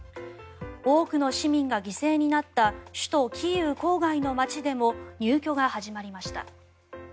多くの市民が犠牲になった首都キーウ郊外の街でも入居が始まりました。